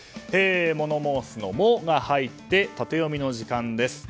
物申すの「モ」が入ってタテヨミの時間です。